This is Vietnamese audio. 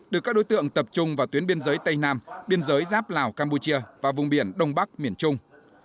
được các đối tượng tập trung vào tuyến biên giới tây nam biên giới giáp lào campuchia và vùng biển đông bắc miền trung